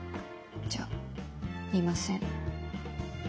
じゃ言いません。